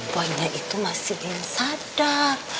boynya itu masih insadar